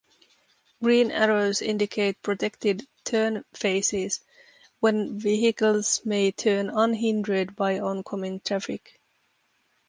Green arrows indicate protected turn phases, when vehicles may turn unhindered by oncoming traffic.